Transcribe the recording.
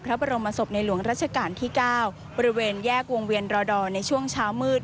พระบรมศพในหลวงรัชกาลที่๙บริเวณแยกวงเวียนรอดอร์ในช่วงเช้ามืด